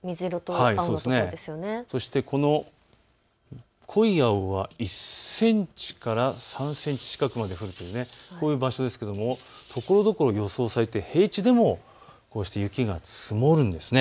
そしてこの濃い青は１センチから３センチ近くまで降る、こういう場所ですけども、ところどころ予想されて平地でもこうして雪が積もるんです。